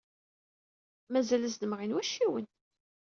Mazal ad as-d-mɣin wacciwen.